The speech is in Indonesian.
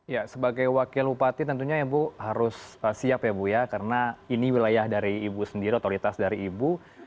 ya sebagai wakil upati tentunya ya bu harus siap ya bu ya karena ini wilayah dari ibu sendiri otoritas dari ibu